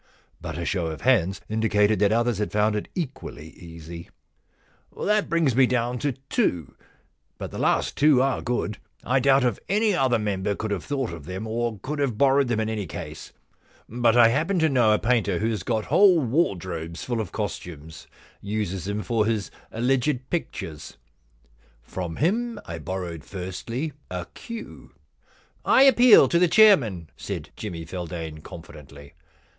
But a show of hands indicated that others had found it equally easy. 2c6 The Q Loan Problem * That brings me down to two, but the last two are good. I doubt if any other member could have thought of them, or could have borrowed them in any case. But I happen to know a painter who has got whole wardrobes full of costumes — uses them for his alleged pictures. From him I borrowed, firstly, a queue.' * I appeal to the chairman,' said Jimmy Feldane confidently.